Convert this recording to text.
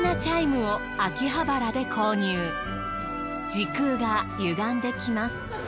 時空が歪んできます。